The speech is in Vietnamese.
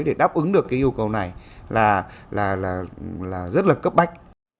để đáp ứng được cái yêu cầu này là rất là cấp bách